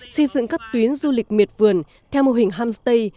xây dựng các tuyến du lịch miệt vườn theo mô hình homestay